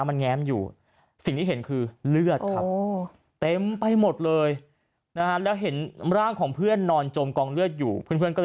บอกบอกบอกบอกบอกบอกบอก